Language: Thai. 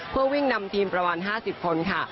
เพื่อวิ่งนำทีมประมาณ๕๐คนค่ะ